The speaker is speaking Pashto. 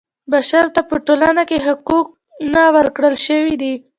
بشر ته په ټولنه کې حقونه ورکړل شوي دي.